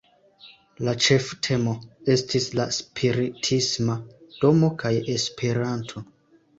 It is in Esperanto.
La ĉeftemo estis "La Spiritisma Domo kaj Esperanto".